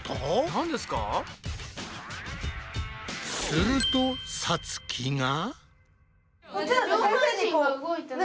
するとさつきが。